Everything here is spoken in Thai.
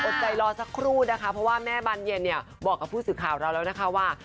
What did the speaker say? ใจรอสักครู่นะคะเพราะว่าแม่บานเย็นเนี่ยบอกกับผู้สื่อข่าวเราแล้วนะคะว่า